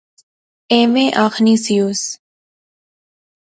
ایویں آخنی سیوس